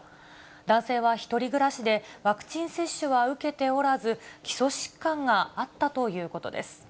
男性は１人暮らしで、ワクチン接種は受けておらず、基礎疾患があったということです。